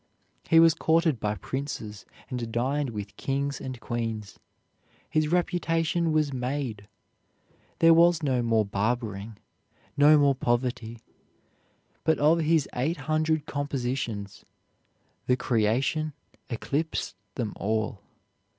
He was courted by princes and dined with kings and queens; his reputation was made; there was no more barbering, no more poverty. But of his eight hundred compositions, "The Creation" eclipsed them all.